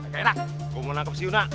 kayaknya lah gue mau nangkep si una